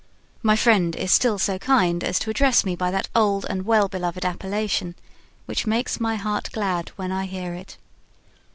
My friend is still so kind as to address me by that old and well beloved appellation, which makes my heart glad when I hear it."